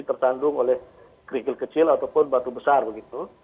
tersandung oleh kerikil kecil ataupun batu besar begitu